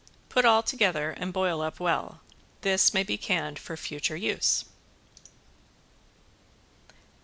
Put all together and boil up well. This may be canned for future use.